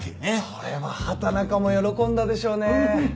それは畑中も喜んだでしょうね。